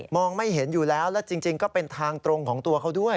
ไม่เห็นอยู่แล้วและจริงก็เป็นทางตรงของตัวเขาด้วย